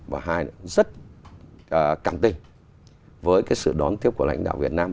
và hai rất cảm tình với cái sự đón tiếp của lãnh đạo việt nam